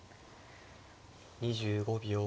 ２５秒。